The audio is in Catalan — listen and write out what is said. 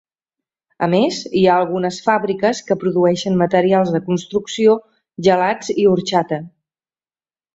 A més, hi ha algunes fàbriques que produeixen materials de construcció, gelats i orxata.